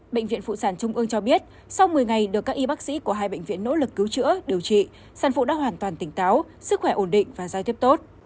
bệnh viện phụ sản trung ương cho biết sau một mươi ngày được các y bác sĩ của hai bệnh viện nỗ lực cứu chữa điều trị sản phụ đã hoàn toàn tỉnh táo sức khỏe ổn định và giao tiếp tốt